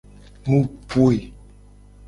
Mu poe.